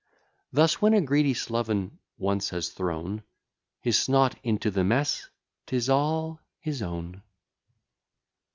Thus, when a greedy sloven once has thrown His snot into the mess, 'tis all his own.